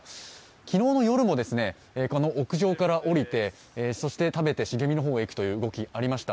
昨日の夜も屋上から下りて、そして食べて茂みの方へいくという動き、ありました。